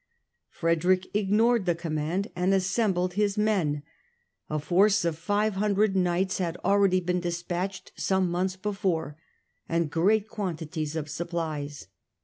Frederick ignored the command and assembled his men. A force of five hundred knights had already been despatched some months before and great quantities of supplies.